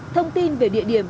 thông tin về địa điểm